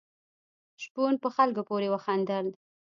شپون په خلکو پورې وخندل.